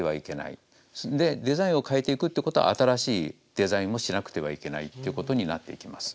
でデザインを変えていくってことは新しいデザインもしなくてはいけないっていうことになっていきます。